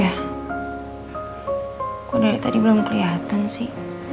aku dari tadi belum kelihatan sih